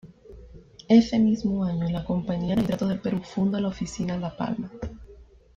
Ese mismo año, la "Compañía de Nitratos del Perú" funda la Oficina "La Palma".